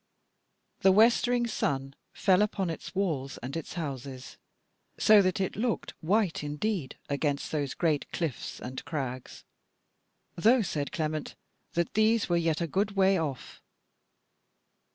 The westering sun fell upon its walls and its houses, so that it looked white indeed against those great cliffs and crags; though, said Clement, that these were yet a good way off.